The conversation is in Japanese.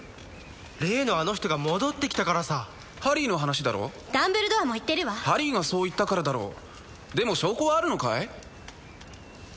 例のあの人が戻ってきたからさハリーの話だろダンブルドアも言ってるわハリーがそう言ったからだろでも証拠はあるのかい？